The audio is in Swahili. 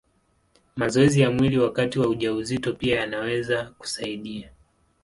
Mazoezi ya mwili wakati wa ujauzito pia yanaweza kusaidia.